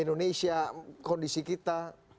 indonesia kondisi kita